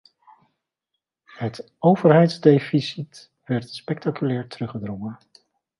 Het overheidsdeficit werd spectaculair teruggedrongen.